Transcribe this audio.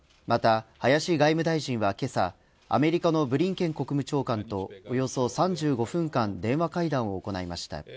また、林外務大臣は、けさアメリカのブリンケン国務長官とおよそ３５分間電話会談を行いました。